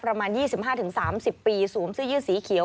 ประมาณ๒๕๓๐ปีสวมเสื้อยืดสีเขียว